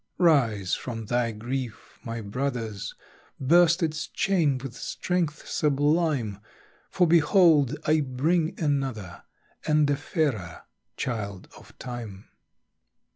Rise from thy grief, my brothers! Burst its chain with strength sublime, For behold! I bring another, And a fairer child of time.